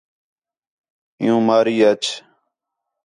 عِیُّوں ماری اَچ